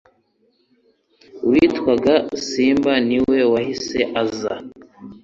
witwaga Simba niwe wahise aza